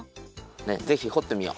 ぜひほってみよう。